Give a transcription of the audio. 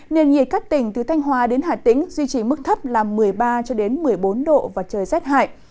nền nhiệt các tỉnh từ thanh hòa đến hà tĩnh duy trì mức thấp là một mươi ba một mươi bốn độ và trời rét hại